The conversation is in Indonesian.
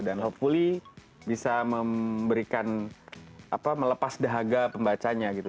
dan hopefully bisa memberikan apa melepas dahaga pembacanya gitu